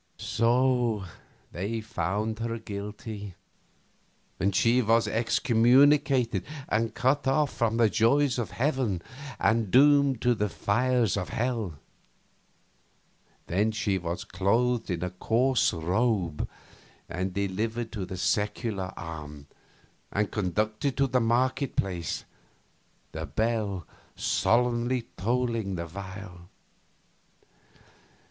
So they found her guilty, and she was excommunicated and cut off from the joys of heaven and doomed to the fires of hell; then she was clothed in a coarse robe and delivered to the secular arm, and conducted to the market place, the bell solemnly tolling the while.